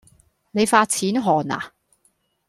你發錢寒呀